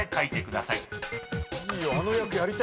いいよ。